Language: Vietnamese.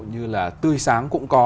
như là tươi sáng cũng có